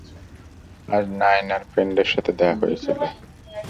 আজ নায়নার ফ্রেন্ড এর সাথে দেখা হয়েছিল।